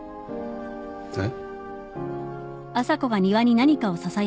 えっ？